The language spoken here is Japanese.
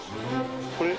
これ？